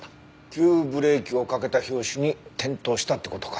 急ブレーキをかけた拍子に転倒したって事か。